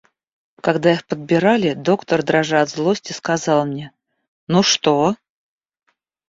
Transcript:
Когда их подбирали, доктор, дрожа от злости, сказал мне: — Ну что?